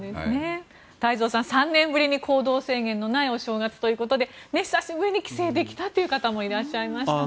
太蔵さん、３年ぶりに行動制限のないお正月ということで久しぶりに帰省できた方もいらっしゃいましたね。